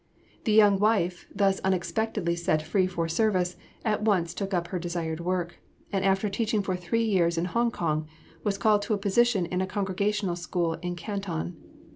The young wife, thus unexpectedly set free for service, at once took up her desired work, and after teaching for three years in Hongkong was called to a position in a Congregational school in Canton....